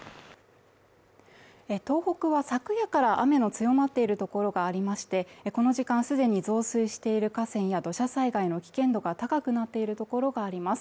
東北は昨夜から雨の強まっているところがありましてこの時間既に増水している河川や土砂災害の危険度が高くなっているところがあります。